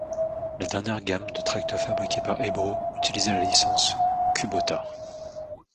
La dernière gamme de tracteurs fabriqués par Ebro utilise la licence Kubota.